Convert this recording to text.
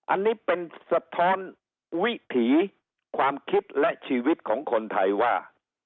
อันนี้เป็นสะท้อนวิถีความคิดและชีวิตของคนไทยว่า